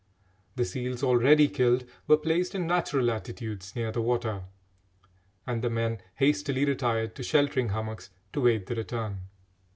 The seals already killed were placed in natural attitudes near the water, and the men hastily retired to sheltering hummocks, to wait the return.